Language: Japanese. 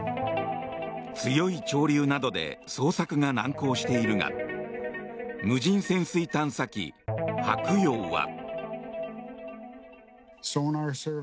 強い潮流などで捜索が難航しているが無人潜水探査機「はくよう」は。